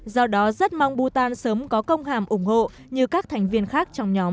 do đó rất mong bhutan sớm có công hàm ủng hộ như các thành viên khác trong nhóm